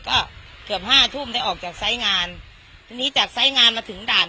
ก็เกือบห้าทุ่มได้ออกจากไซส์งานทีนี้จากไซส์งานมาถึงด่าน